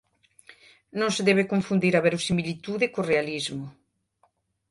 Non se debe confundir a verosimilitude co realismo.